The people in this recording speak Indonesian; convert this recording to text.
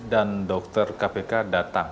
dan dokter kpk datang